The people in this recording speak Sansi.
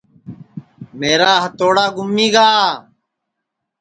میرا ہتوڑا گُمی گا